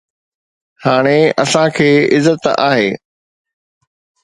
هاڻي اسان کي عزت آهي